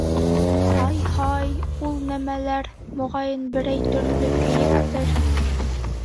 — Ай-Һай, ул нәмәләр, моғайын, берәй төрлө кейектер.